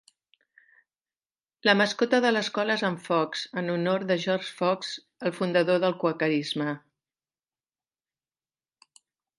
La mascota de l'escola és en Fox, en honor de George Fox, el fundador del quaquerisme.